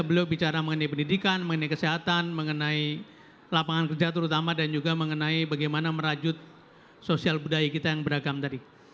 beliau bicara mengenai pendidikan mengenai kesehatan mengenai lapangan kerja terutama dan juga mengenai bagaimana merajut sosial budaya kita yang beragam tadi